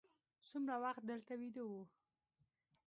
څومره وخت دلته ویده وو.